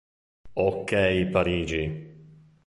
Okay Parigi!